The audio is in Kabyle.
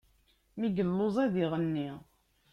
Mi yelluẓ, ad iɣenni.